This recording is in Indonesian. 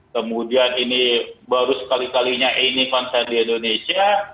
kemudian ini baru sekali kalinya ini konser di indonesia